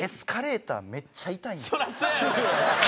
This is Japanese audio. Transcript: そりゃそうやろ！